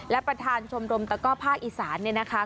และประธานชมรมตะก้อภาคอีสานเนี่ยนะคะ